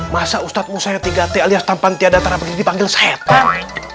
masa ustadz musayyid tiga t alias tampan tiada tanah begini dipanggil setan